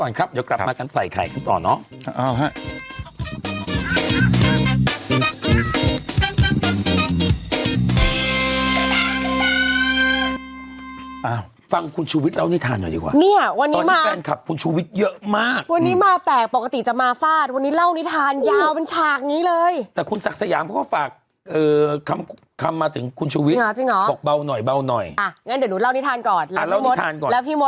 นี่เราไปกระรบตรงชาติกันก่อนครับเดี๋ยวกลับมากันไฟไข่กันต่อเนอะ